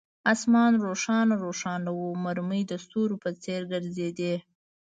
آسمان روښانه روښانه وو، مرمۍ د ستورو په څیر ګرځېدې.